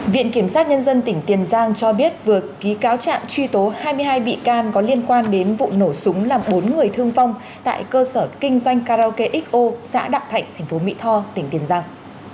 viện kiểm sát nhân dân tỉnh tiền giang cho biết vừa ký cáo trạng truy tố hai mươi hai bị can có liên quan đến vụ nổ súng làm bốn người thương vong tại cơ sở kinh doanh karaoke xo xã đặng thạnh tp mỹ tho tỉnh tiền giang